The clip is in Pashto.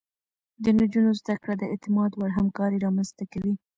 د نجونو زده کړه د اعتماد وړ همکاري رامنځته کوي.